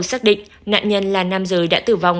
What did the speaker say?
xác định nạn nhân là nam giới đã tử vong